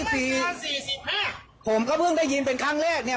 ผมก็เพิ่งได้ยินเป็นครั้งแรกเนี่ย